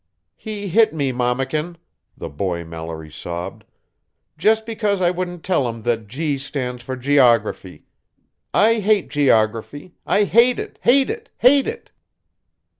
"He hit me, mammakin," the boy Mallory sobbed. "Just because I wouldn't tell him that 'G' stands for 'Geography'. I hate geography! I hate it, hate it, hate it!"